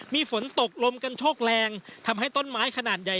มีฝนตกลมกันโชคแรงทำให้ต้นไม้ขนาดใหญ่